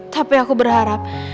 tapi aku berharap